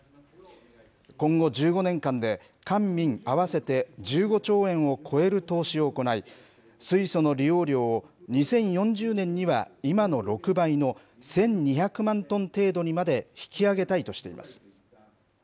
今後１５年間で、官民合わせて１５兆円を超える投資を行い、水素の利用量を２０４０年には今の６倍の１２００万トン程度にまで引き上げたいとしています。